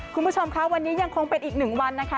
คุณผู้ชมค่ะวันนี้ยังคงเป็นอีกหนึ่งวันนะคะ